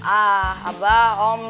ah abah om